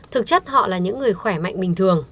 thực chất họ là những người khỏe mạnh bình thường